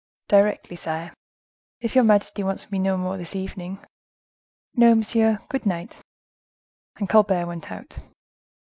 "Directly, sire; if your majesty wants me no more this evening?" "No, monsieur: good night!" And Colbert went out.